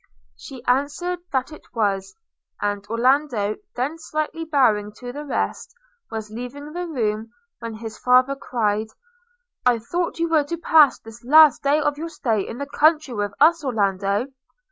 she answered that it was; and Orlando, then slightly bowing to the rest, was leaving the room, when his father cried, 'I thought you were to pass this last day of your stay in the country with us, Orlando!'